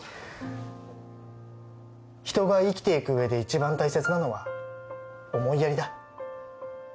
人が生きていく上で一番大切なのは思いやりだ